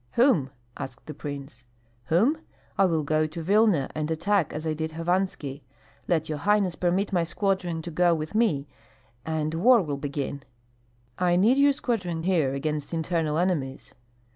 "Whom?" asked the prince. "Whom? I will go to Vilna, and attack as I did Hovanski. Let your highness permit my squadron to go with me, and war will begin." "I need your squadron here against internal enemies."